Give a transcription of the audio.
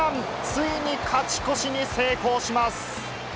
ついに勝ち越しに成功します。